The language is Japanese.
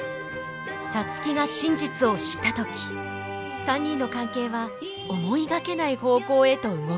皐月が真実を知った時３人の関係は思いがけない方向へと動きだす。